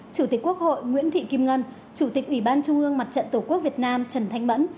chủ tịch quốc hội nguyễn thị kim ngân chủ tịch ủy ban trung ương mặt trận tổ quốc việt nam trần thanh mẫn